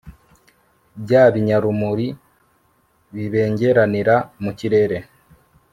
bya binyarumuri bibengeranira mu kirere